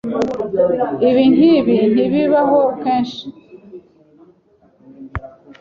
Ibintu nkibi ntibibaho kenshi.